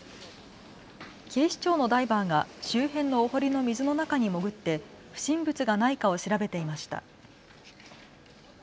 警視庁のダイバーが周辺のお堀の水の中に潜って不審物がないかを調べていました。